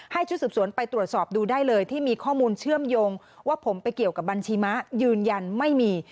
ชุดสืบสวนไปตรวจสอบดูได้เลยที่มีข้อมูลเชื่อมโยงว่าผมไปเกี่ยวกับบัญชีม้ายืนยันไม่มี